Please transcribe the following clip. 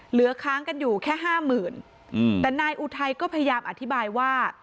เหลือค้างกันอยู่แค่ห้าหมื่นอืมแต่นายอุทัยก็พยายามอธิบายว่า